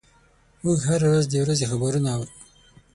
موږ هره ورځ د ورځې خبرونه اورو.